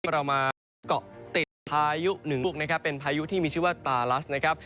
เรามาเกาะติดภายุ๑ลูกเป็นภายุที่มีชื่อว่าชาวตาลัส